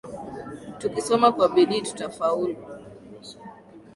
Tukisoma kwa bidi tutafaulu.